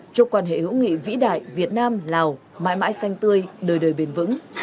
cho quan hệ hữu nghị vĩ đại việt nam lào mãi mãi xanh tươi đời đời bền vững